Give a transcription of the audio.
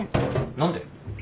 何で？